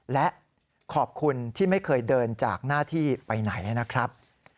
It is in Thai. และขอบคุณที่ไม่เคยเดินจากหน้าที่ไปไหนนะครับ